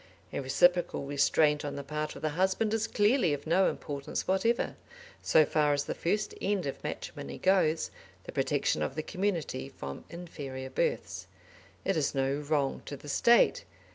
A reciprocal restraint on the part of the husband is clearly of no importance whatever, so far as the first end of matrimony goes, the protection of the community from inferior births. It is no wrong to the State.